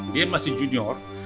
dia masih junior